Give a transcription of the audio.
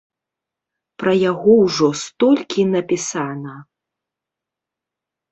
Пра яго ўжо столькі напісана!